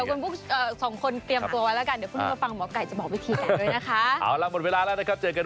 บอกวิธีกันด้วยนะคะเอาล่ะหมดเวลาแล้วนะครับเจอกัน